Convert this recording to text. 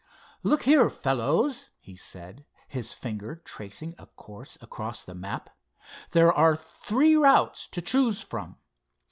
"Look here, fellows," he said, his finger tracing a course across the map; "there are three routes to choose from.